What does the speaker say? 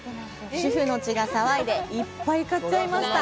主婦の血が騒いでいっぱい買っちゃいました！